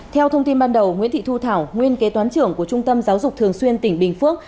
theo thông tin ban đầu nguyễn thị thu thảo nguyên kế toán trưởng của trung tâm giáo dục thường xuyên tỉnh bình phước